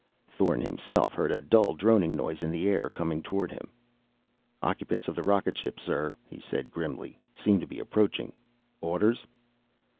Thorn himself heard a dull droning noise in the air, coming toward him. "Occupants of the rocket ship, sir," he said grimly, "seem to be approaching. Orders?"